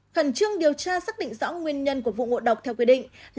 khẩn trương điều tra xác định rõ nguyên nhân của vụ ngộ độc theo quy định